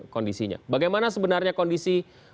kondisinya bagaimana sebenarnya kondisi